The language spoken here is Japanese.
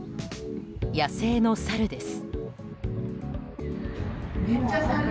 野生のサルです。